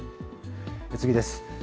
次です。